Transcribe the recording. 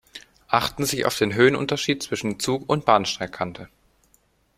Achten Sie auf den Höhenunterschied zwischen Zug und Bahnsteigkante.